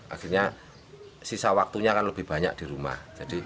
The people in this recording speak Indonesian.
akhirnya sisa waktunya akan lebih banyak di rumah